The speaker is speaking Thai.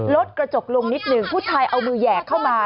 ลดกระจกลงนิดหนึ่งผู้ชายเอามือแหยกเข้ามา